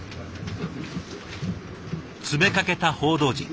詰めかけた報道陣。